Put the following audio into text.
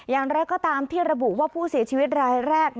อย่างไรก็ตามที่ระบุว่าผู้เสียชีวิตรายแรก